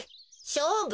しょうぶ？